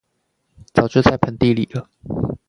早就在盆地裡了